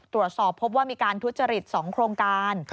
ตรวจสอบพบว่ามีการทุจริต๒โครงการ